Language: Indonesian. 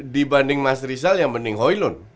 dibanding mas rizal yang mending hoylun